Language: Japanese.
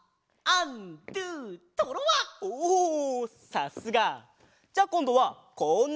さすが！じゃあこんどはこんなポーズ！